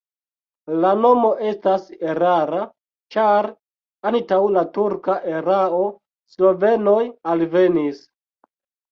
La nomo estas erara, ĉar antaŭ la turka erao slovenoj alvenis.